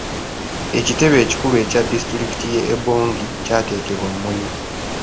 Ekitebe ekikulu ekya disitulikiti y'e Obongi kyateekebwa Moyo.